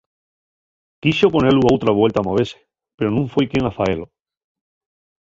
Quixo ponelu outra vuelta a movese pero nun foi quien a faelo.